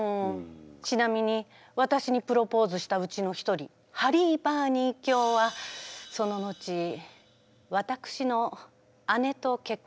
ちなみわたしにプロポーズしたうちの１人ハリー・バーニー卿はその後あちゃだね。